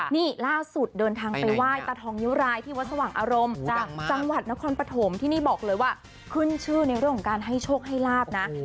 นี่ล่าสุดเดินทางไปไหว้ตาทองนิ้วรายที่วัดสว่างอารมณ์จังหวัดนครปฐมที่นี่บอกเลยว่าขึ้นชื่อในเรื่องของการให้โชคให้ลาบนะ